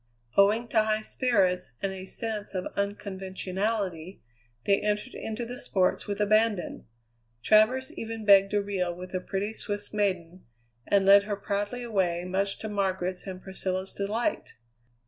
Owing to high spirits and a sense of unconventionality, they entered into the sports with abandon. Travers even begged a reel with a pretty Swiss maiden, and led her proudly away, much to Margaret's and Priscilla's delight.